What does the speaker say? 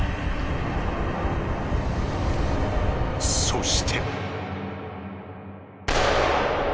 そして。